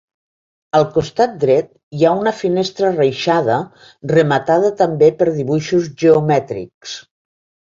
Al costat dret hi ha una finestra reixada rematada també per dibuixos geomètrics.